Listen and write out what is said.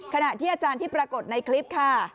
ขณะที่อาจารย์ที่ปรากฏในคลิปค่ะ